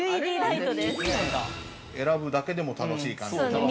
◆選ぶだけでも楽しい感じの。